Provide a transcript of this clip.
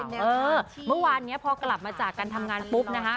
เมื่อวานนี้พอกลับมาจากการทำงานปุ๊บนะคะ